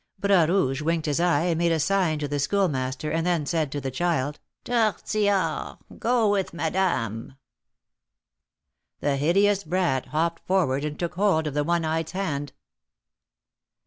Bras Rouge winked his eye and made a sign to the Schoolmaster, and then said to the child: "Tortillard, go with madame." The hideous brat hopped forward and took hold of the "one eyed's" hand.